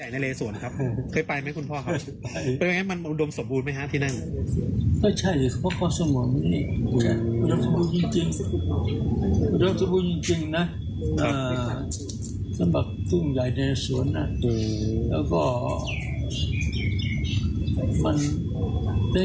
แล้วก็มันเป็นเกิดของห้ามแต่สมัยก่อนเขาไม่ได้อยู่ของห้ามนะ